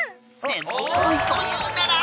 「でも来いと言うなら」